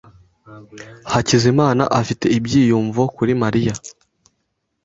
Hakizimana afite ibyiyumvo kuri Mariya.